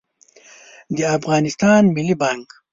د افغانستان ملي بانګ